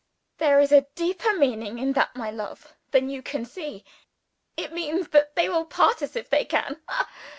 There is a deeper meaning in that, my love, than you can see. It means that they will part us if they can.